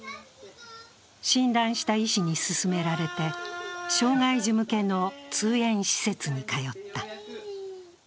診断した医師に勧められて、障害児向けの通園施設に通った。